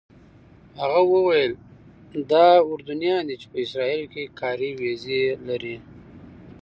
هغه وویل دا اردنیان دي چې په اسرائیلو کې کاري ویزې لري.